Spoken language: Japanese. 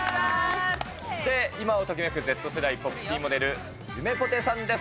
そして、今をときめくＺ世代、ポップティーンモデルのゆめぽてさんです。